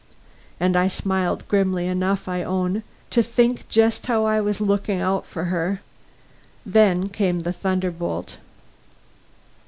And I smiled grimly enough, I own, to think just how I was looking out for her. Then came the thunderbolt.